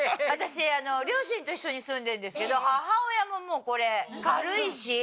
私両親と一緒に住んでるんですけど母親ももうこれ軽いし。